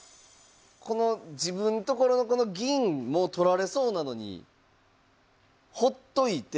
この自分ところのこの銀も取られそうなのにほっといて攻めにいったという。